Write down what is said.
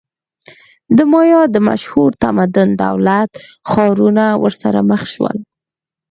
د مایا د مشهور تمدن دولت-ښارونه ورسره مخ شول.